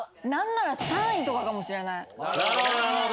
なるほどなるほど。